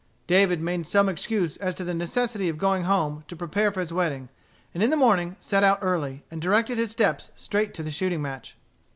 David made some excuse as to the necessity of going home to prepare for his wedding, and in the morning set out early, and directed his steps straight to the shooting match.